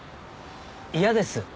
嫌です。